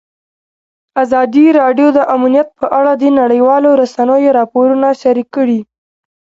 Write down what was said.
ازادي راډیو د امنیت په اړه د نړیوالو رسنیو راپورونه شریک کړي.